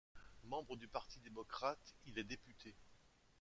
Membre du Parti démocrate, il est député.